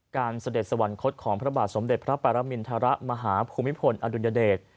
เสด็จสวรรคตของพระบาทสมเด็จพระปรมินทรมาหาภูมิพลอดุลยเดช